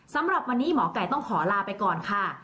สำหรับวันนี้หมอไก่ต้องขอลาไปก่อนค่ะ